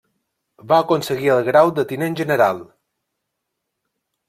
Va aconseguir el grau de tinent general.